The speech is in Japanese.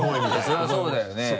そりゃそうだよね。